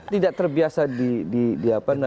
tidak terbiasa di apa